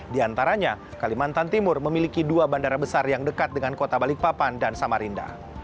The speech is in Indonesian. di antaranya kalimantan timur memiliki dua bandara besar yang dekat dengan kota balikpapan dan samarinda